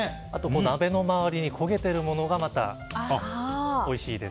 鍋の周りに焦げてるものがおいしいです。